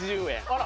あら。